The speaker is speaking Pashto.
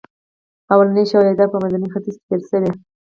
لومړني شواهد په منځني ختیځ کې پیل شول.